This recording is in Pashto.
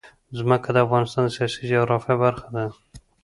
ځمکه د افغانستان د سیاسي جغرافیه برخه ده.